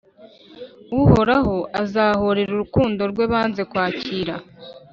Uhoraho azahorera urukundo rwe banze kwakira